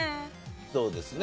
そうですね。